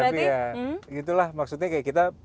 tapi ya gitu lah maksudnya kayak kita